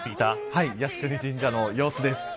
靖国神社の様子です。